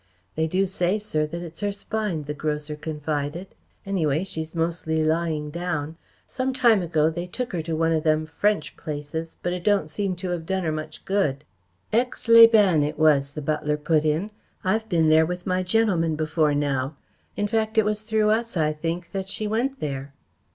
"They do say, sir, that it's her spine," the grocer confided. "Anyway, she's mostly lying down. Some time ago they took her to one of them French places, but it don't seem to have done her much good." "Aix les Bains, it was," the butler put in. "I've been there with my gentlemen before now. In fact, it was through us, I think, that she went there."